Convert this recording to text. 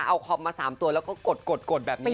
เอาคอมมา๓ตัวแล้วก็กดแบบนี้